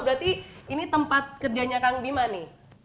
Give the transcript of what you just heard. berarti ini tempat kerjanya kang bima nih